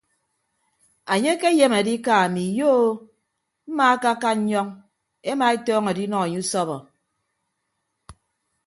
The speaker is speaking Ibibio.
Anye ke ayem adika ami iyo o mmaakaka nnyọñ ema etọñọ adinọ enye usọbọ.